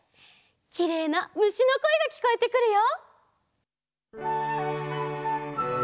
きれいなむしのこえがきこえてくるよ。